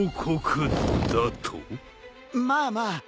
まあまあ。